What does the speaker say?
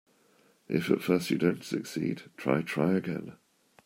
If at first you don't succeed, try, try again.